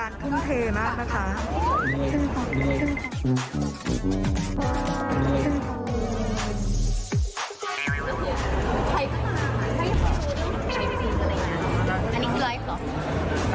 อันนี้คือไลฟ์ก่อน